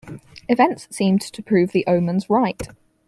Events seemed to prove the omens right.